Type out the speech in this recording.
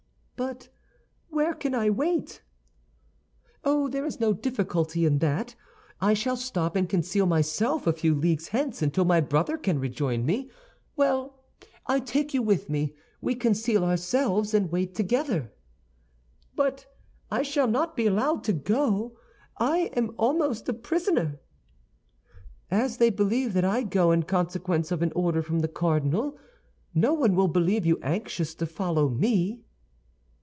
"But where can I wait?" "Oh, there is no difficulty in that. I shall stop and conceal myself a few leagues hence until my brother can rejoin me. Well, I take you with me; we conceal ourselves, and wait together." "But I shall not be allowed to go; I am almost a prisoner." "As they believe that I go in consequence of an order from the cardinal, no one will believe you anxious to follow me."